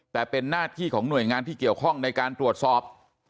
แต่เป็นหน้าที่ของหน่วยงานที่เกี่ยวข้องในการตรวจสอบ